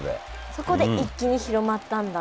そこで一気に広まったんだ。